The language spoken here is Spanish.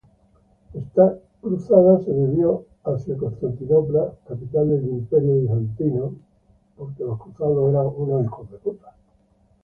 Esta cruzada se desvió hacia Constantinopla, capital del Imperio bizantino.